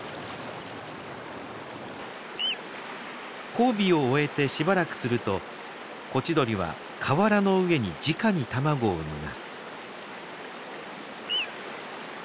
交尾を終えてしばらくするとコチドリは河原の上にじかに卵を産みます。